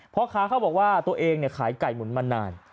เพราะค้าเขาบอกว่าตัวเองเนี่ยขายไก่หมุนมานาน